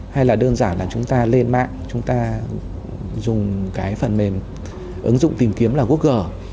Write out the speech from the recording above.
hay là đơn giản là chúng ta lên mạng chúng ta dùng cái phần mềm ứng dụng tìm kiếm là google